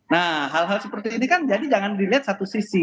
nah hal hal seperti ini kan jadi jangan dilihat satu sisi